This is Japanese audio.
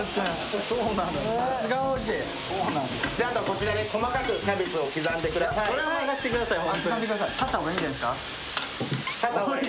こちらで細かくキャベツを刻んでください。